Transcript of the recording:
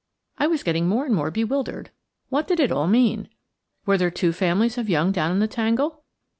I was getting more and more bewildered. What did it all mean? Were there two families of young down in the tangle?